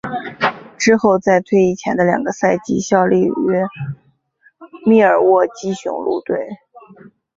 之后在退役前的两个赛季效力于密尔沃基雄鹿队。